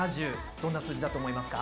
どんな数字だと思いますか？